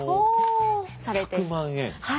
はい。